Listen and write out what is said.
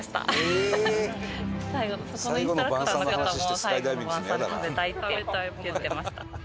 そこのインストラクターの方も最後の晩餐で食べたいって言ってました。